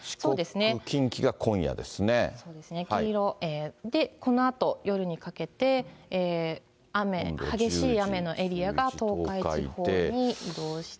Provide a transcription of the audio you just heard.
四国、黄色い、それでこのあと、夜にかけて雨、激しい雨のエリアが東海地方に移動して。